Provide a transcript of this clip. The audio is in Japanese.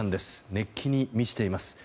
熱気に満ちています。